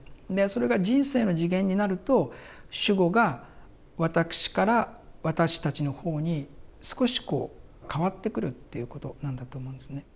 それが人生の次元になると主語が「私」から「私たち」の方に少しこう変わってくるということなんだと思うんですね。